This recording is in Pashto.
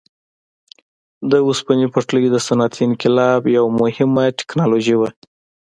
د اوسپنې پټلۍ د صنعتي انقلاب یوه مهمه ټکنالوژي وه.